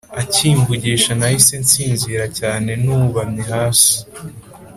Akimvugisha nahise nsinzira cyane ncyubamye hasi